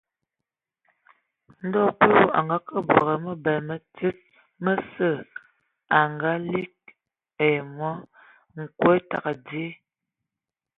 Ndɔ Kulu a ngake bǝgǝ mǝbɛ mǝ tsíd mǝsǝ a ngaligi ai mɔ : nkwe tǝgǝ dzye.